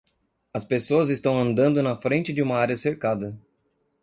As pessoas estão andando na frente de uma área cercada.